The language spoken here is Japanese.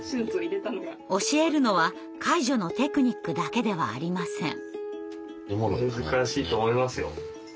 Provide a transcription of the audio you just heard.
教えるのは介助のテクニックだけではありません。